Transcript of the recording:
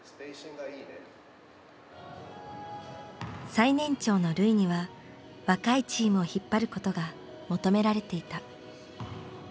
最年長の瑠唯には若いチームを引っ張ることが求められていた。